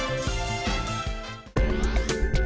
เผ็ดดุตะกะแปลงกลัวปะ